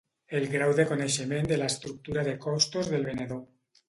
El grau de coneixement de l'estructura de costos del venedor.